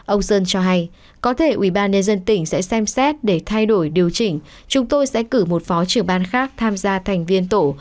ông sơn cho hay có thể ubnd tỉnh sẽ xem xét để thay đổi điều chỉnh chúng tôi sẽ cử một phó trưởng ban khác tham gia thành viên tổ